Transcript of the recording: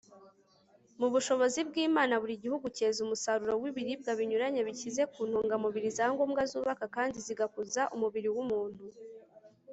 mu bushobozi bw'imana, buri gihugu cyeza umusaruro w'ibiribwa binyuranye bikize ku ntungamubiri za ngombwa zubaka kandi zigakuza umubiri w'umuntu